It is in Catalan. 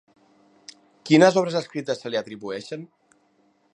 Quines obres escrites se li atribueixen?